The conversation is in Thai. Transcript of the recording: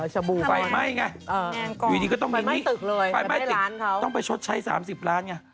ฉบูใฟไม่ไงอยู่ดีก็ต้องมีนี่ฝ่ายไม่ตึกต้องไปชดใช้๓๐ล้านไง